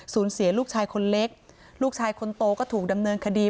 เสียลูกชายคนเล็กลูกชายคนโตก็ถูกดำเนินคดี